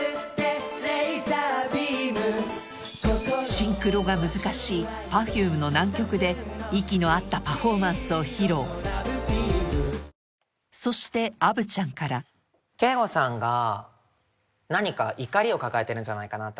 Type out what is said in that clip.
シンクロが難しいＰｅｒｆｕｍｅの難曲でを披露そしてアヴちゃんからＫＥＩＧＯさんが何か怒りを抱えてるんじゃないかなって